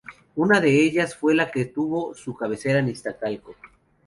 Una de ellas fue la que tuvo su cabecera en Iztacalco.